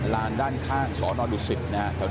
ร้านด้านข้างสอนอดุศิษฐ์นะครับ